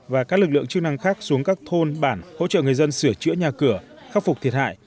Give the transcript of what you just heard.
và các lực lượng chức năng khác xuống các thôn bản hỗ trợ người dân sửa chữa nhà cửa khắc phục thiệt hại